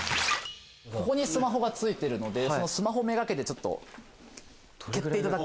ここにスマホが付いてるのでスマホをめがけて蹴っていただく。